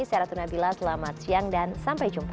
saya ratuna bila selamat siang dan sampai jumpa